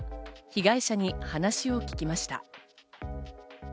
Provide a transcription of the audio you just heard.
被害者に話を聞きました。